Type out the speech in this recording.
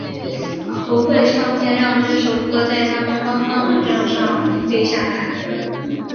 国会唱片让这首歌在他们官方网站上免费下载。